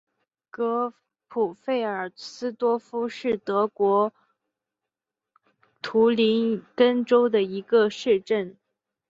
格普费尔斯多夫是德国图林根州的一个市镇。